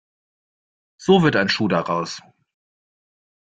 So wird ein Schuh daraus.